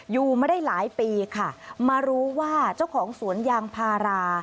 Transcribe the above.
อยู่มาได้หลายปีค่ะมารู้ว่าเจ้าของสวนยางพารา